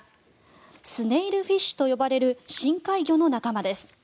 スネイルフィッシュと呼ばれる深海魚の仲間です。